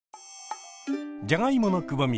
じゃがいものくぼみ